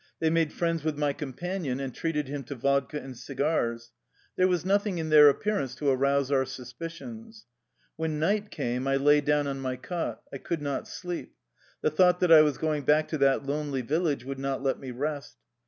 They made friends with my companion and treated him to vodka and cigars. There was nothing in their appearance to arouse our suspicions. When night came I lay down on my cot. I could not sleep. The thought that I was going back to that lonely village would not let me rest.